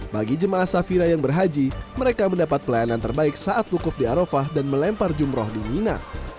bagi jemaah safira yang berhaji mereka mendapat pelayanan terbaik saat wukuf di arafah dan melempar jumroh di mina